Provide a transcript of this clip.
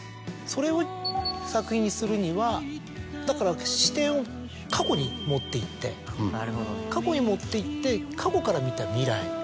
それを作品にするにはだから視点を過去に持っていって過去に持っていって過去から見た未来。